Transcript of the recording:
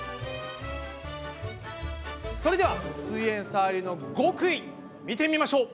それではすイエんサー流の極意見てみましょう！